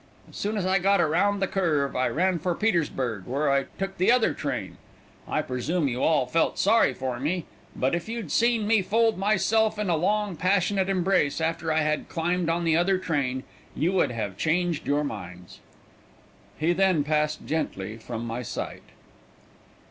As soon as I got around the curve I ran for Petersburg, where I took the other train. I presume you all felt sorry for me, but if you'd seen me fold myself in a long, passionate embrace after I had climbed on the other train, you would have changed your minds." He then passed gently from my sight.